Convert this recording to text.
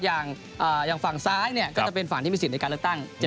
อย่างฝั่งซ้ายก็จะเป็นฝั่งที่มีสิทธิ์ในการเลือกตั้ง